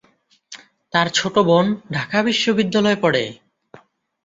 তার ছোট বোন ঢাকা বিশ্ববিদ্যালয়ে পড়ে।